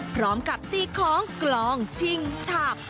พร้อมกับตีของกลองชิงฉับ